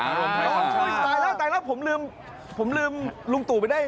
ตายแล้วตายแล้วผมลืมผมลืมลุงตู่ไปได้